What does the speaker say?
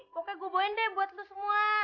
pokoknya gue bawain deh buat lo semua